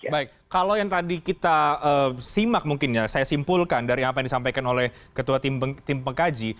baik kalau yang tadi kita simak mungkin ya saya simpulkan dari apa yang disampaikan oleh ketua tim pengkaji